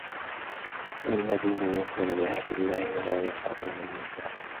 الَّذِينَ يُوفُونَ بِعَهْدِ اللَّهِ وَلَا يَنْقُضُونَ الْمِيثَاقَ